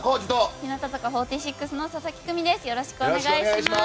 日向坂４６の佐々木久美です。